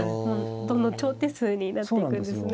どんどん長手数になっていくんですね。